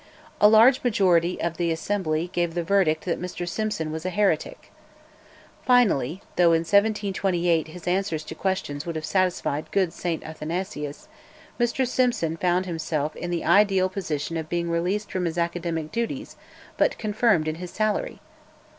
A large majority of the Assembly gave the verdict that Mr Simson was a heretic. Finally, though in 1728 his answers to questions would have satisfied good St Athanasius, Mr Simson found himself in the ideal position of being released from his academic duties but confirmed in his salary.